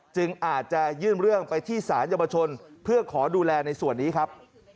จึงอาจจะยื่นเรื่องไปที่ศาลเยาวชนเพื่อขอดูแลในส่วนนี้ครับ